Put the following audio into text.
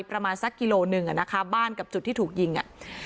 ประมาณสักกิโลหนึ่งอ่ะนะคะบ้านกับจุดที่ถูกยิงอ่ะ